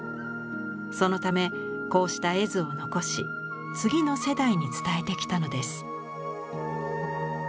そのためこうした絵図を残し次の世代に伝えてきたのです。